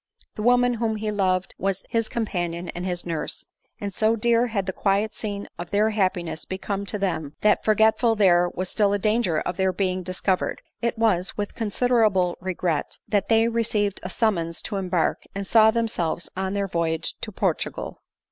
The woman whoih he loved was his companion and his nurse; and so dear had the quiet scene of their happiness become to them, that forgetful there was still a danger of their being dis covered, it was with considerable regret that they re ceived a summons to embark, and saw themselves on their voyage to Portugal.